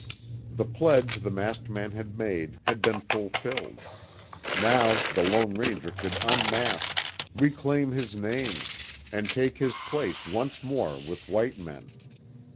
The pledge the masked man had made had been fulfilled. Now the Lone Ranger could unmask, reclaim his name, and take his place once more with white men.